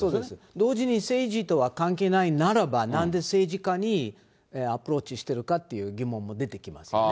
同時に政治とは関係ないならば、なんで政治家にアプローチしてるかっていう疑問も出てきますよね。